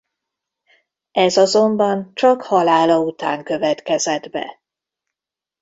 Ez azonban csak halála után következett be.